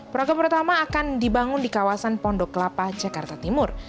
program pertama akan dibangun di kawasan pondok kelapa jakarta timur